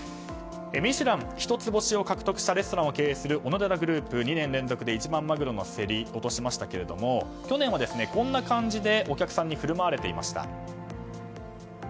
「ミシュラン」一つ星を獲得したレストランを経営するオノデラグループ、２年連続で一番マグロを競り落としましたが去年はこんな感じでお客さんに振る舞われていました。